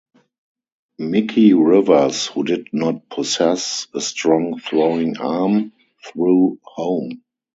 Mickey Rivers, who did not possess a strong throwing arm, threw home.